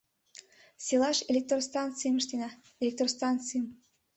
— Селаш электростанцийым ыштена— Электростанцийым?!